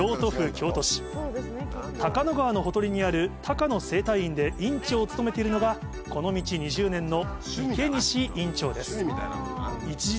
高野川のほとりにある高野整体院で院長を務めているのがこの道２０年の。